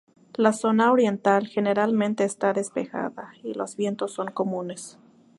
La zona oriental, generalmente está despejada, y los vientos son comunes.